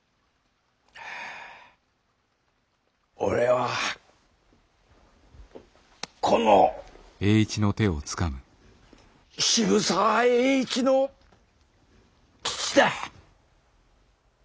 俺はこの渋沢栄一の父だ。